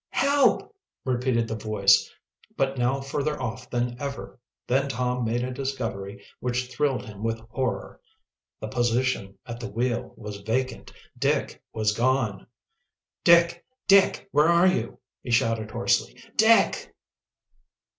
"Help!" repeated the voice, but now further off than ever. Then Tom made a discovery which thrilled him with horror. The position at the wheel was vacant! Dick was gone! "Dick! Dick! Where are you!" he shouted hoarsely. "Dick!"